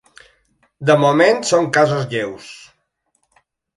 De moment, són casos lleus.